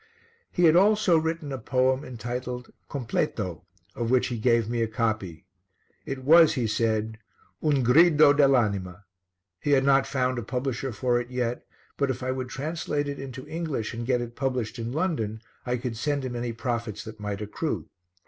He had also written a poem entitled Completo, of which he gave me a copy. It was, he said, "un grido dell' anima." He had not found a publisher for it yet, but if I would translate it into English and get it published in London, I could send him any profits that might accrue.